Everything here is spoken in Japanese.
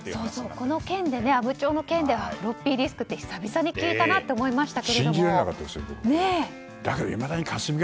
阿武町の件でフロッピーディスクって久々に聞いたなと思いました。